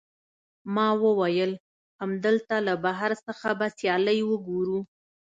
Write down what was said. ما وویل، همدلته له بهر څخه به سیالۍ وګورو.